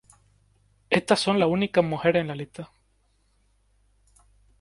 Estas son las únicas mujeres en la lista.